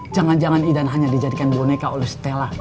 jangan jangan idan hanya dijadikan boneka oleh stella